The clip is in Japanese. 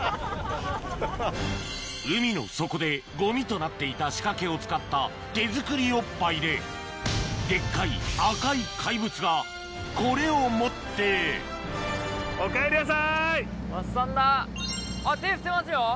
海の底でゴミとなっていた仕掛けを使った手作りおっぱいでデッカい赤い怪物がこれを持って手振ってますよ。